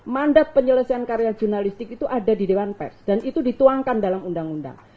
mandat penyelesaian karya jurnalistik itu ada di dewan pers dan itu dituangkan dalam undang undang